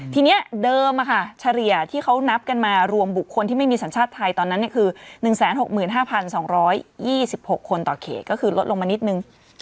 ทีนี้เดิมเฉลี่ยที่เขานับกันมารวมบุคคลที่ไม่มีสัญชาติไทยตอนนั้นคือ๑๖๕๒๒๖คนต่อเขตก็คือลดลงมานิดนึง